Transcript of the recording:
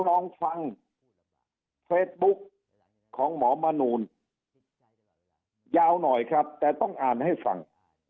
ลองฟังเฟซบุ๊กของหมอมนูลยาวหน่อยครับแต่ต้องอ่านให้ฟัง